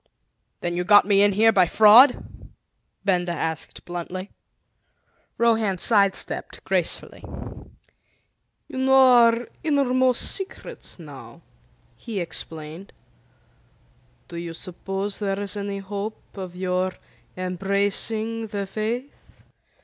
"Then you got me in here by fraud?" Benda asked bluntly. Rohan side stepped gracefully. "You know our innermost secrets now," he explained. "Do you suppose there is any hope of your embracing the Faith?"